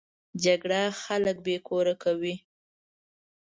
جګړه خلک بې کوره کوي